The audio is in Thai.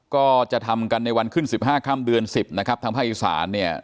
ก็จะทำกันในวันขึ้น๑๕ค่ำเดือน๑๐นะครับทางภาคอีสานเนี่ย